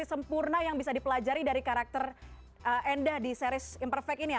sempurna yang bisa dipelajari dari karakter enda di series imperfect ini ya